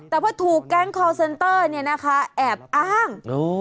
แต่พอถูกแก๊งคอลเซนเตอร์เนี้ยนะคะแอบอ้างโอ้ย